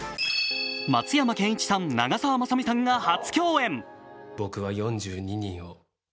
松山ケンイチさん、長澤まさみが初共演。